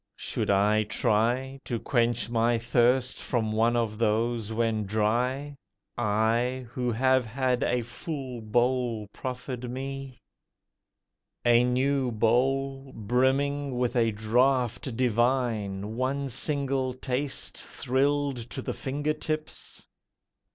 Should I try To quench my thirst from one of those, when dry— I who have had a full bowl proffered me— A new bowl brimming with a draught divine, One single taste thrilled to the finger tips?